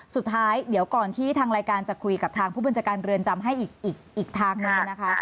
สุดท้ายเดี๋ยวก่อนที่ทางรายการจะคุยกับทางผู้บัญชาการเรือนจำให้อีกทางหนึ่งนะคะ